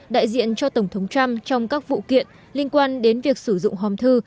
đại diện cho tổng thống trump trong các vụ kiện liên quan đến việc sử dụng hòm thư